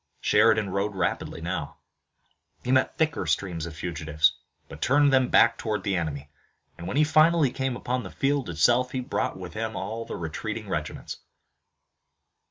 Sheridan rode rapidly now. He met thicker streams of fugitives, but turned them back toward the enemy, and when he finally came upon the field itself he brought with him all the retreating regiments.